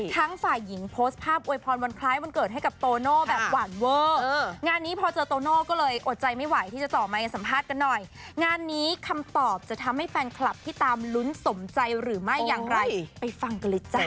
ทั้งฝ่ายหญิงโพสต์ภาพโวยพรวันคล้ายวันเกิดให้กับโตโน้แบบหวานเวอร์